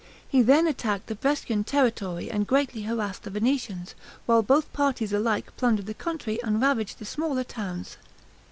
He then attacked the Brescian territory, and greatly harassed the Venetians; while both parties alike plundered the country and ravaged the smaller towns.